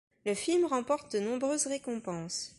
Le film remporte de nombreuses récompenses.